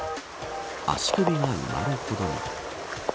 足首が埋まるほどに。